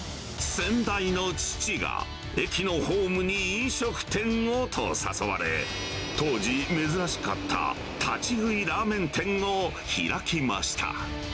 先代の父が駅のホームに飲食店をと誘われ、当時、珍しかった立ち食いラーメン店を開きました。